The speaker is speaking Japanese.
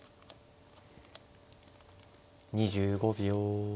２５秒。